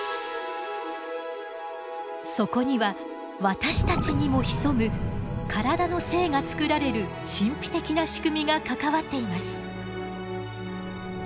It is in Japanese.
そこには私たちにも潜む体の性が作られる神秘的な仕組みが関わっています。